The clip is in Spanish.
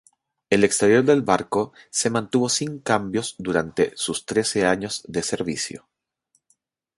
El exterior del barco se mantuvo sin cambios durante sus trece años de servicio.